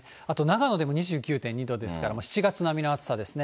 あと長野でも２９．２度ですから、７月並みの暑さですね。